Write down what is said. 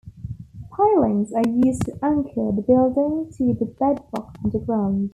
Pilings are used to anchor the building to the bedrock underground.